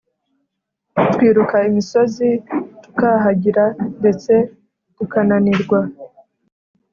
Twiruka imisozi tukahagira ndetse tukananirwa